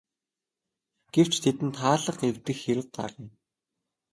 Гэвч тэдэнд хаалга эвдэх хэрэг гарна.